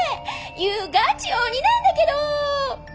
祐ガチ鬼なんだけど」。